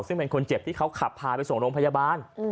ซึ่งเป็นคนเจ็บที่เขาขับพาไปส่งโรงพยาบาล